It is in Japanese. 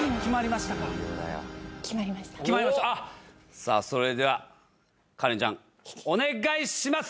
さあそれではカレンちゃんお願いします！